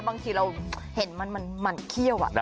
บางทีเราเห็นมันมันมันเขี้ยวอ่ะ